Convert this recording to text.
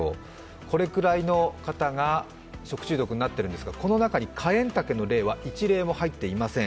これくらいの方が食中毒になっているんですがこの中にカエンタケの例は一例も入っていません。